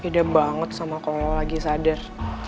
ide banget sama kalau lagi sadar